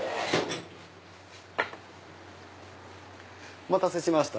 お待たせしました。